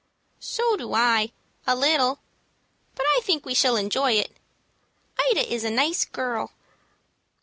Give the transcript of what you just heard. "So do I a little; but I think we shall enjoy it. Ida is a nice girl."